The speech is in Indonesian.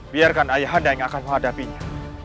biarkan ayahanda yang akan menghadapinya